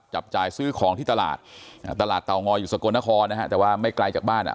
จับจ่ายซื้อของที่ตลาดอ่าตลาดตลาดเตางอยอยู่สกลนครนะฮะแต่ว่าไม่ไกลจากบ้านอ่ะ